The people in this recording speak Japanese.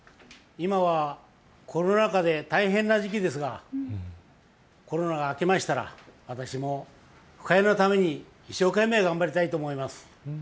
今はコロナ禍で大変な時期ですがコロナが明けましたら、私も深谷のために一生懸命頑張りたいと思います。